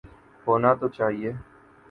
ہونا تو چاہیے۔